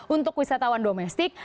untuk wisatawan domestik